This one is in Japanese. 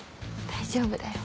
大丈夫だよ。